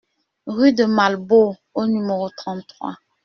Rue de Malbos au numéro trente-trois